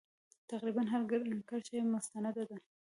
تقریبا هره کرښه یې مستنده ده.